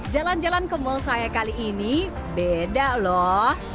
jalan jalan ke mall saya kali ini beda loh